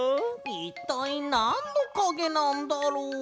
いったいなんのかげなんだろう？